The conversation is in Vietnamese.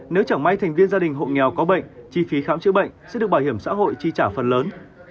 nếu chẳng may thành viên gia đình hộ nghèo có bệnh chi phí khám chữa bệnh sẽ được bảo hiểm xã hội chi trả phần lớn